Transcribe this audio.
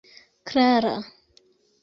klara